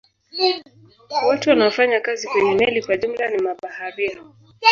Watu wanaofanya kazi kwenye meli kwa jumla ni mabaharia.